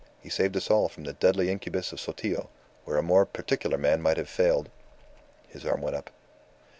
He saved us all from the deadly incubus of Sotillo, where a more particular man might have failed " His arm went up.